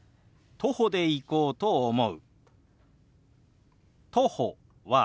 「徒歩で行こうと思う」。